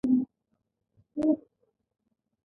د خط له رامنځته کېدو سره ارشیفونه زیات شول.